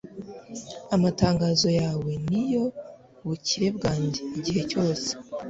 amatangazo yawe ni yo bukire bwanjye igihe cyose